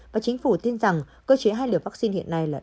và chính phủ tin rằng cơ chế hai liều vaccine hiện nay là